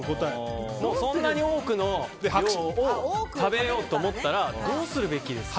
そんなに多くを食べようと思ったらどうするべきですか？